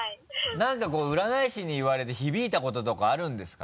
何かこう占い師に言われて響いたこととかあるんですか？